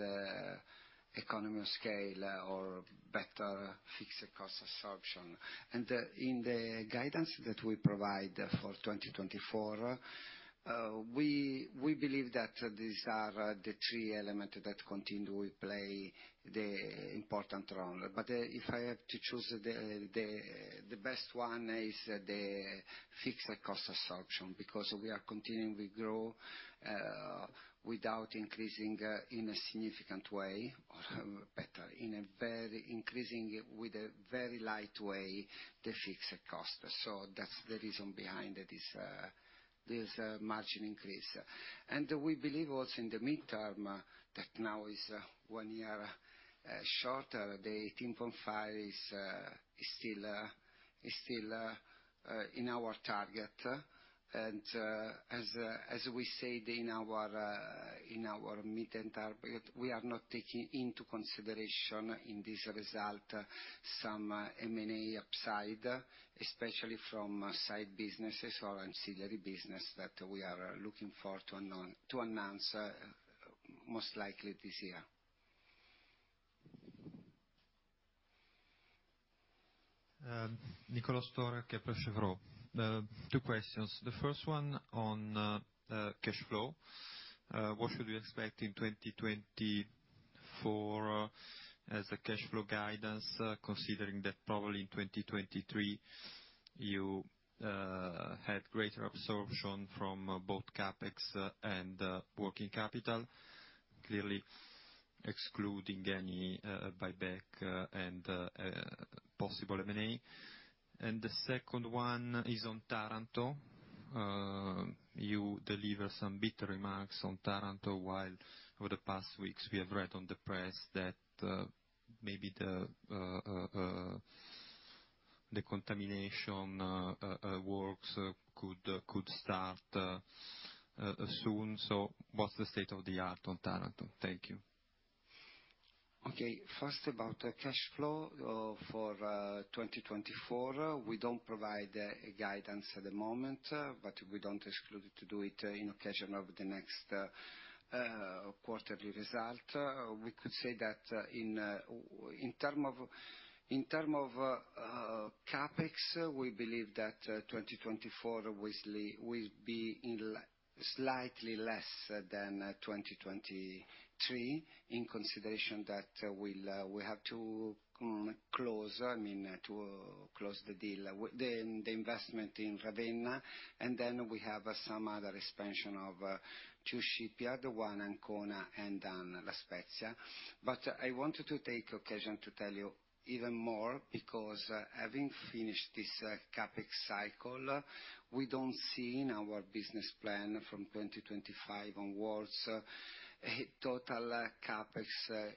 economy of scale, or better, fixed cost absorption. And in the guidance that we provide for 2024, we believe that these are the three elements that will continue to play the important role. But if I had to choose, the best one is the fixed cost absorption, because we are continuing to grow without increasing in a significant way, or better, increasing it in a very light way, the fixed cost. So that's the reason behind it, this margin increase. And we believe also in the mid-term that now is one year shorter, the 18.5 is still in our target. And, as we said in our mid-term target, we are not taking into consideration in this result some M&A upside, especially from side businesses or ancillary business that we are looking forward to announce, most likely this year. Niccolò Storer, Kepler Cheuvreux. Two questions. The first one on cash flow. What should we expect in 2024 as a cash flow guidance, considering that probably in 2023, you had greater absorption from both CapEx and working capital? Clearly excluding any buyback and possible M&A. And the second one is on Taranto. You deliver some bitter remarks on Taranto, while over the past weeks we have read in the press that maybe the contamination works could start soon. So what's the state of the art on Taranto? Thank you. Okay, first, about the cash flow, for 2024, we don't provide a guidance at the moment, but we don't exclude to do it in occasion of the next quarterly result. We could say that, in terms of CapEx, we believe that 2024 will be slightly less than 2023, in consideration that, we'll have to close, I mean, the deal, the investment in Ravenna, and then we have some other expansion of two shipyards, one Ancona and La Spezia. But I wanted to take the occasion to tell you even more, because, having finished this CapEx cycle, we don't see in our business plan from 2025 onwards, a total CapEx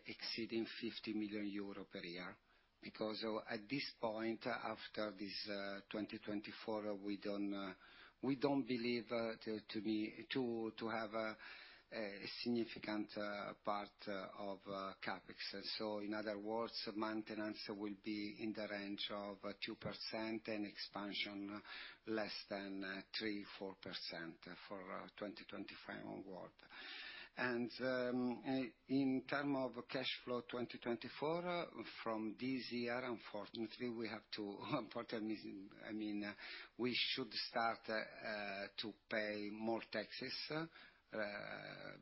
exceeding 50 million euro per year. Because, at this point, after this 2024, we don't believe to have a significant part of CapEx. So in other words, maintenance will be in the range of 2% and expansion less than 3%-4% for 2025 onward. And, in terms of cash flow, 2024, from this year, unfortunately, we have to, unfortunately, I mean, we should start to pay more taxes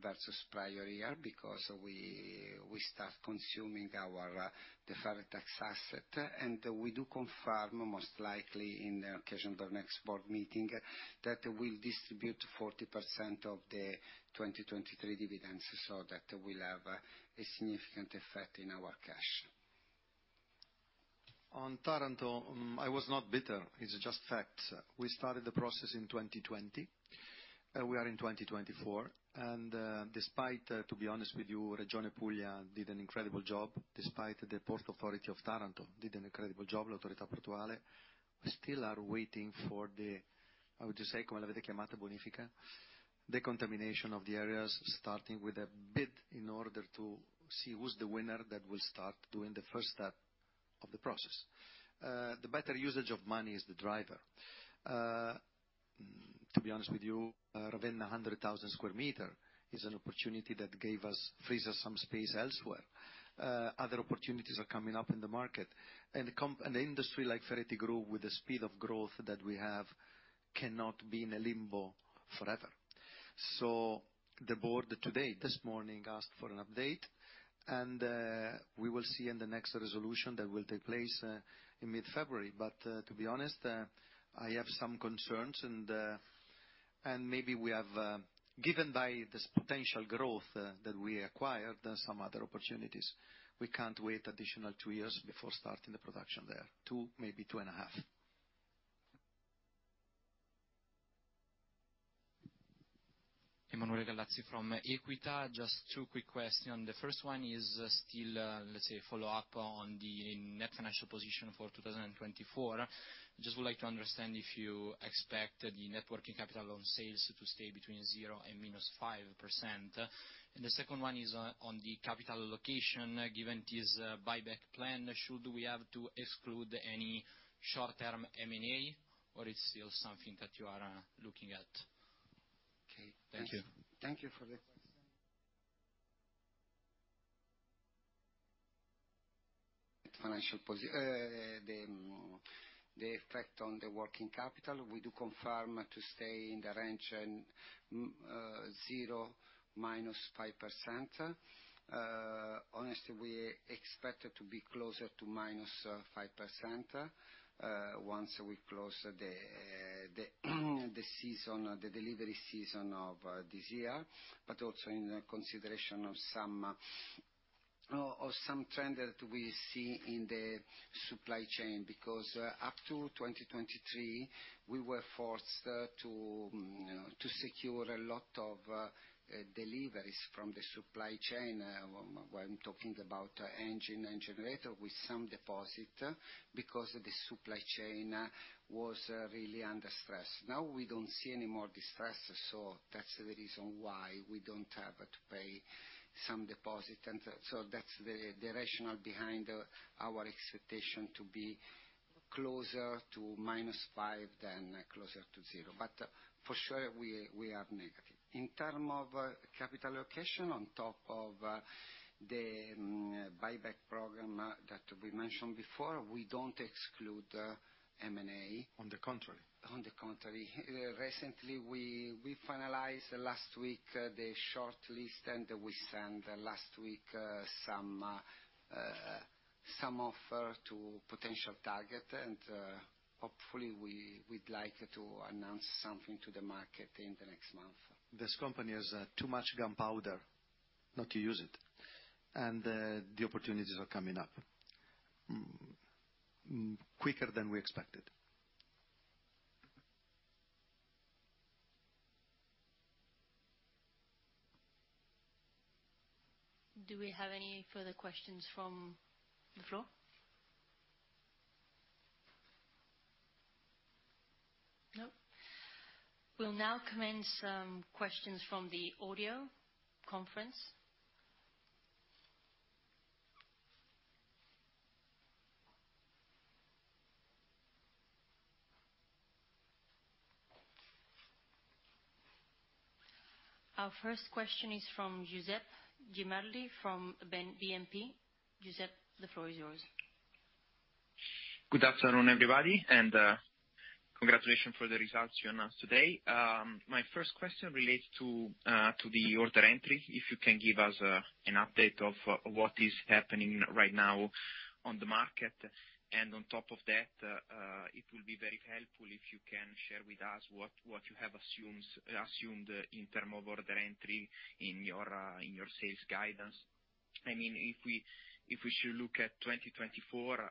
versus prior year, because we start consuming our deferred tax asset. We do confirm, most likely in the occasion of our next board meeting, that we'll distribute 40% of the 2023 dividends, so that will have a significant effect in our cash. On Taranto, I was not bitter. It's just facts. We started the process in 2020, and we are in 2024. And, despite, to be honest with you, Regione Puglia did an incredible job, despite the Port Authority of Taranto did an incredible job, l'Autorità portuale, we still are waiting for the, I would say, come avete chiamata, bonifica? The contamination of the areas, starting with a bid, in order to see who's the winner that will start doing the first step of the process. The better usage of money is the driver. To be honest with you, Ravenna 100,000 sq m is an opportunity that gave us, frees us some space elsewhere. Other opportunities are coming up in the market, and an industry like Ferretti Group, with the speed of growth that we have, cannot be in a limbo forever. So the board today, this morning, asked for an update, and we will see in the next resolution that will take place in mid-February. But, to be honest, I have some concerns, and and maybe we have, given by this potential growth, that we acquired some other opportunities, we can't wait additional two years before starting the production there. Two, maybe two and a half. Emanuele Gallazzi from Equita. Just two quick question. The first one is still, let's say, a follow-up on the net financial position for 2024. Just would like to understand if you expect, the net working capital on sales to stay between 0% and -5%. And the second one is, on the capital allocation, given this buyback plan, should we have to exclude any short-term M&A, or it's still something that you are, looking at? Okay. Thank you. Thank you for the question. The effect on the working capital, we do confirm to stay in the range and 0%-5%. Honestly, we expect it to be closer to -5% once we close the delivery season of this year, but also in consideration of some trend that we see in the supply chain. Because up to 2023, we were forced to secure a lot of deliveries from the supply chain when talking about engine and generator with some deposit, because the supply chain was really under stress. Now, we don't see any more distress, so that's the reason why we don't have to pay some deposit. And so that's the rationale behind our expectation to be closer to minus five than closer to zero. But for sure, we are negative. In terms of capital allocation, on top of the buyback program that we mentioned before, we don't exclude M&A. On the contrary. On the contrary. Recently, we finalized last week the short list, and we sent last week some offer to potential target. And, hopefully we'd like to announce something to the market in the next month. This company has too much gunpowder not to use it, and the opportunities are coming up quicker than we expected. Do we have any further questions from the floor? Nope. We'll now commence questions from the audio conference. Our first question is from Giuseppe Grimaldi from BNP Paribas. Giuseppe, the floor is yours. Good afternoon, everybody, and congratulations for the results you announced today. My first question relates to the order entry, if you can give us an update of what is happening right now on the market. And on top of that, it will be very helpful if you can share with us what you have assumes, assumed in term of order entry in your sales guidance. I mean, if we should look at 2024,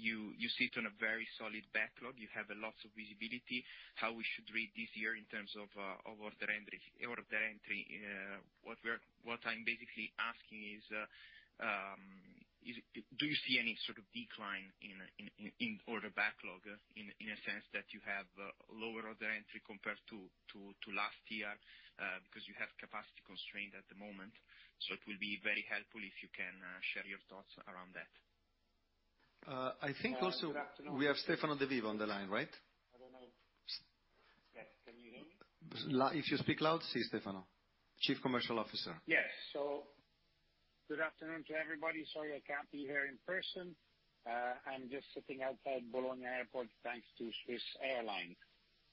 you sit on a very solid backlog, you have lots of visibility. How we should read this year in terms of order entry, what we're—what I'm basically asking is, do you see any sort of decline in order backlog, in a sense that you have lower order entry compared to last year, because you have capacity constraint at the moment? So it will be very helpful if you can share your thoughts around that. I think also- Good afternoon. We have Stefano de Vivo on the line, right? I don't know. Yes. Can you hear me? If you speak loud. Sì, Stefano, Chief Commercial Officer. Yes. So good afternoon to everybody. Sorry, I can't be here in person. I'm just sitting outside Bologna Airport, thanks to Swiss Airlines.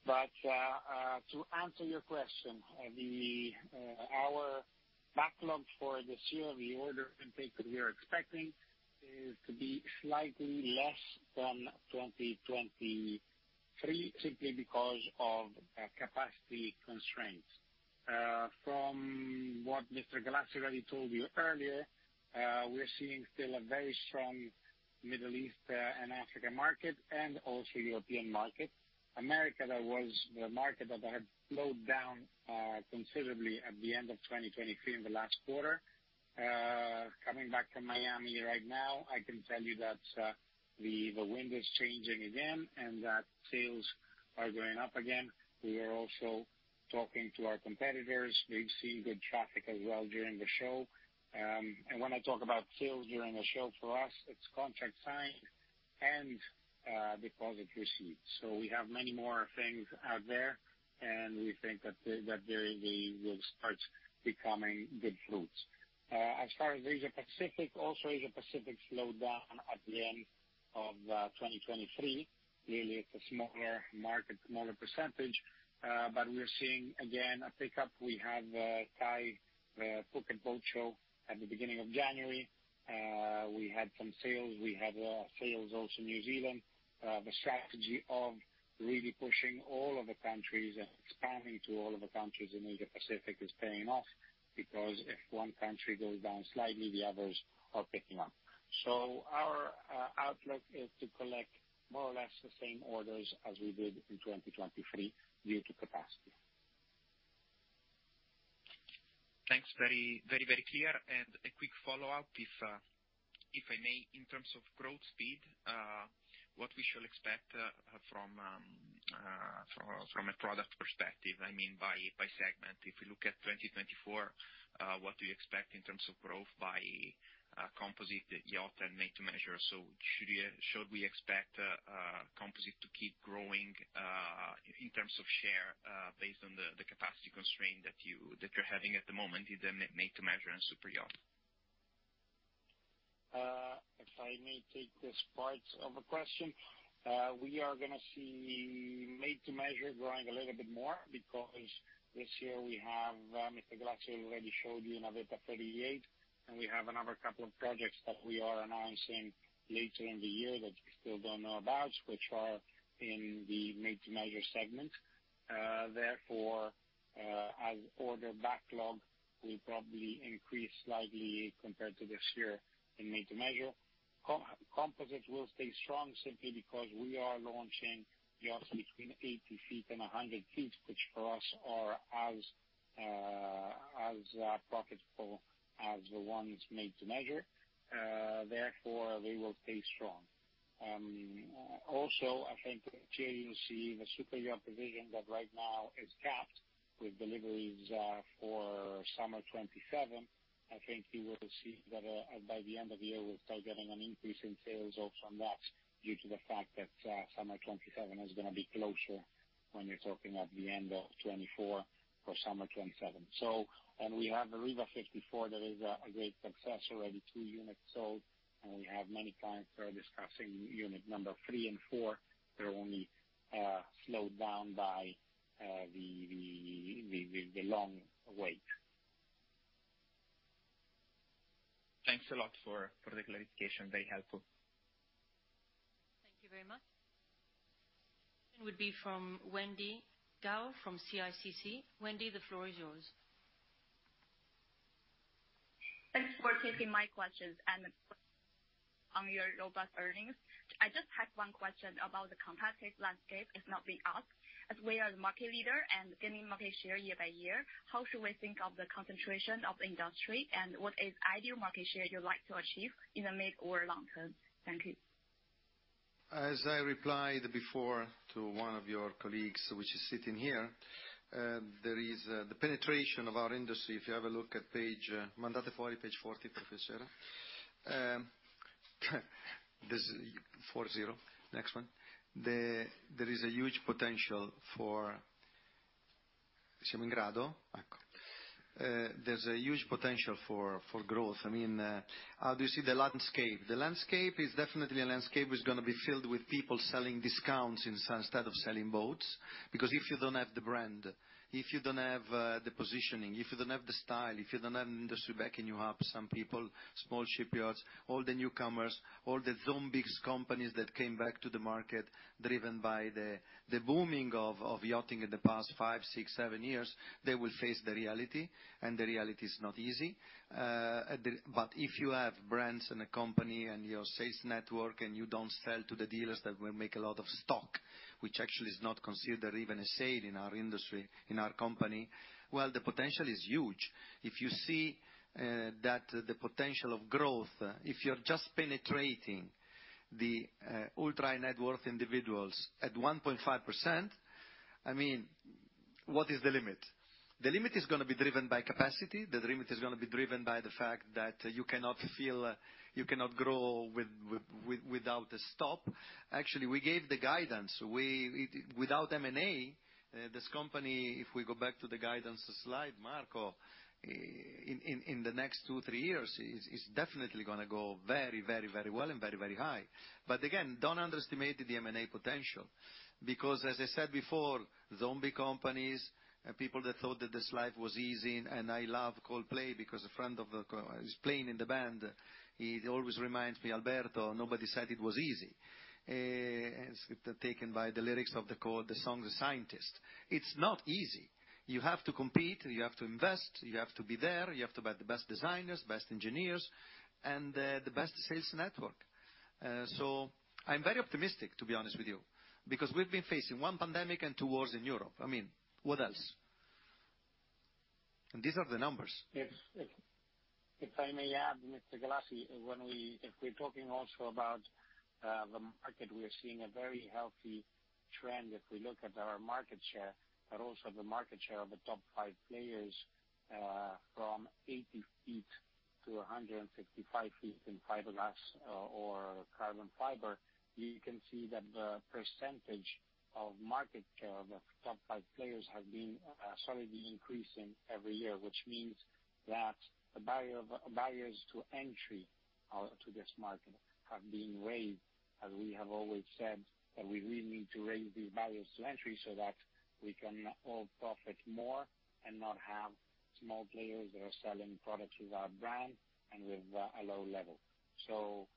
But, to answer your question, our backlog for this year, the order intake that we are expecting, is to be slightly less than 2023, simply because of capacity constraints. From what Mr. Galassi already told you earlier, we're seeing still a very strong Middle East and Africa market, and also European market. America, that was the market that had slowed down considerably at the end of 2023, in the last quarter. Coming back from Miami right now, I can tell you that the wind is changing again, and that sales are going up again. We are also talking to our competitors. We've seen good traffic as well during the show. And when I talk about sales during the show, for us, it's contract signed and deposit received. So we have many more things out there, and we think that they will start becoming good fruits. As far as the Asia-Pacific, Asia-Pacific slowed down at the end of 2023. Really, it's a smaller market, smaller percentage, but we are seeing again a pickup. We have Thai Phuket Boat Show at the beginning of January. We had some sales. We had sales also in New Zealand. The strategy of really pushing all of the countries and expanding to all of the countries in Asia-Pacific is paying off, because if one country goes down slightly, the others are picking up. So our outlook is to collect more or less the same orders as we did in 2023 due to capacity. Thanks. Very, very, very clear. A quick follow-up if I may, in terms of growth speed, what we shall expect from a product perspective, I mean, by segment. If you look at 2024, what do you expect in terms of growth by composite yacht and made-to-measure? So should we expect composite to keep growing in terms of share based on the capacity constraint that you're having at the moment in the made-to-measure and superyacht? If I may take this part of the question, we are gonna see made-to-measure growing a little bit more because this year we have, Mr. Galassi already showed you Navetta 38, and we have another couple of projects that we are announcing later in the year that you still don't know about, which are in the made-to-measure segment. Therefore, as order backlog will probably increase slightly compared to this year in made-to-measure. Composites will stay strong simply because we are launching yachts between 80 ft and 100 ft, which for us are as profitable as the ones made-to-measure. Therefore, they will stay strong. Also, I think here you'll see the superyacht division that right now is capped with deliveries, for summer 2027. I think you will see that, by the end of the year, we'll start getting an increase in sales also on that due to the fact that, summer 2027 is gonna be closer when you're talking at the end of 2024 for summer 2027. And we have the Riva 54. That is a great success, already two units sold, and we have many clients who are discussing unit number three and four. They're only slowed down by the long wait. Thanks a lot for the clarification. Very helpful. Thank you very much. Would be from Wendy Gao from CICC. Wendy, the floor is yours. Thanks for taking my questions and on your robust earnings. I just had one question about the competitive landscape. It's not been asked. As we are the market leader and gaining market share year by year, how should we think of the concentration of industry, and what is ideal market share you'd like to achieve in the mid or long term? Thank you. As I replied before to one of your colleagues, which is sitting here, there is the penetration of our industry. If you have a look at page 40, this is 40. Next one. There is a huge potential for, there's a huge potential for growth. I mean, how do you see the landscape? The landscape is definitely a landscape which is gonna be filled with people selling discounts instead of selling boats. Because if you don't have the brand, if you don't have the positioning, if you don't have the style, if you don't have an industry back and you have some people, small shipyards, all the newcomers, all the zombie companies that came back to the market driven by the booming of yachting in the past 5, 6, 7 years, they will face the reality, and the reality is not easy. But if you have brands and a company and your sales network, and you don't sell to the dealers that will make a lot of stock, which actually is not considered even a sale in our industry, in our company, well, the potential is huge. If you see that the potential of growth, if you're just penetrating the ultra high net worth individuals at 1.5%, I mean, what is the limit? The limit is gonna be driven by capacity. The limit is gonna be driven by the fact that you cannot feel, you cannot grow without a stop. Actually, we gave the guidance. Without M&A, this company, if we go back to the guidance slide, Marco, in the next two, three years, is definitely gonna go very, very, very well and very, very high. But again, don't underestimate the M&A potential, because as I said before, zombie companies, people that thought that this life was easy, and I love Coldplay because a friend of is playing in the band. He always reminds me, "Alberto, nobody said it was easy." As taken by the lyrics of the song The Scientist. It's not easy. You have to compete, you have to invest, you have to be there, you have to have the best designers, best engineers, and the best sales network. So I'm very optimistic, to be honest with you, because we've been facing one pandemic and two wars in Europe. I mean, what else? And these are the numbers. If I may add, Mr. Galassi, when we—if we're talking also about the market, we are seeing a very healthy trend. If we look at our market share, but also the market share of the top five players, from 80 ft to 165 ft in fiberglass or carbon fiber, you can see that the percentage of market share of the top five players have been solidly increasing every year, which means that the barriers to entry to this market have been raised, as we have always said, that we really need to raise these barriers to entry so that we can all profit more and not have small players that are selling products with our brand and with a low level. So,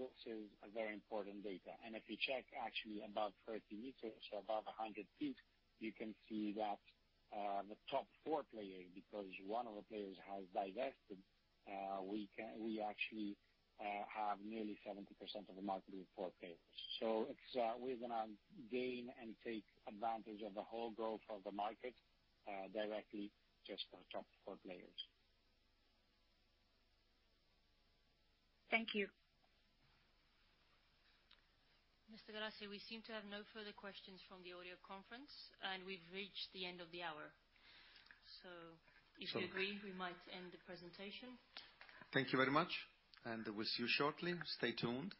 this is a very important data. If you check actually above 30 m, so above 100 ft, you can see that the top four players, because one of the players has divested, we actually have nearly 70% of the market with four players. So it's, we're gonna gain and take advantage of the whole growth of the market directly just for top four players. Thank you. Mr. Galassi, we seem to have no further questions from the audio conference, and we've reached the end of the hour. So if you agree, we might end the presentation. Thank you very much, and we'll see you shortly. Stay tuned,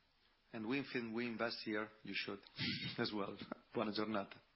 and we think, we invest here, you should as well. Buona giornata.